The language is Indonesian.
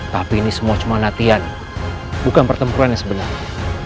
tapi ini semua cuma latihan bukan pertempuran yang sebenarnya